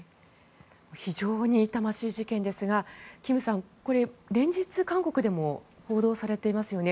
非常に痛ましい事件ですが金さん、これ、連日韓国でも報道されていますよね。